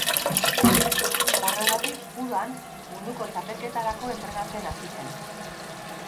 Horregatik, udan munduko txapelketarako entrenatzen hasi zen.